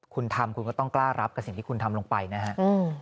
คุณทำคุณก็ต้องกล้ารับกับสิ่งที่คุณทำลงไปนะครับ